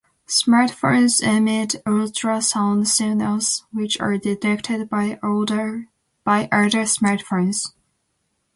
Smartphones emit ultrasound signals which are detected by other smartphones.